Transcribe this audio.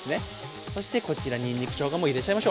そしてこちらにんにく・しょうがも入れちゃいましょう。